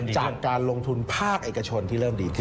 จากการลงทุนภาคเอกชนที่เริ่มดีขึ้น